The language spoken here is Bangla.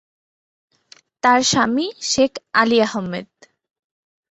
তার স্বামী শেখ আলী আহম্মেদ।